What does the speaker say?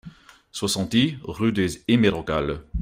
soixante-dix rue des Hémérocalles